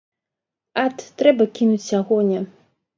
Ат, трэба кінуць сягоння.